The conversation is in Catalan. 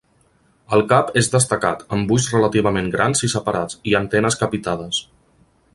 El cap és destacat, amb ulls relativament grans i separats, i antenes capitades.